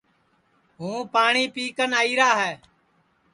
ہوں پاٹؔی پی کن آئیرا ہے